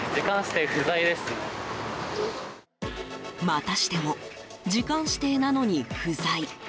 またしても時間指定なのに不在。